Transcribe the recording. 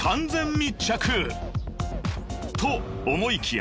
［と思いきや］